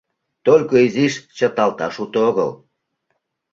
— Только изиш чыталташ уто огыл.